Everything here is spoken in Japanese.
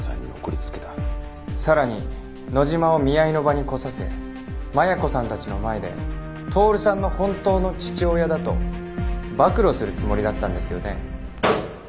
さらに野島を見合いの場に来させ真矢子さんたちの前で透さんの本当の父親だと暴露するつもりだったんですよね。